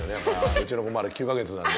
うちの子まだ９カ月なんで。